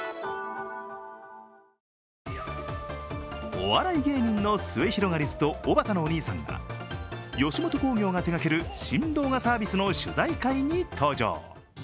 お笑い芸人のすゑひろがりずとおばたのお兄さんが吉本興業が手がける新動画サービスの取材会に登場。